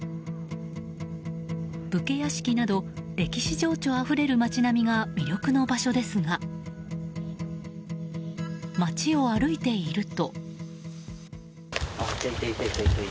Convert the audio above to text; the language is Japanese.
武家屋敷など、歴史情緒あふれる街並みが魅力の場所ですが街を歩いていると。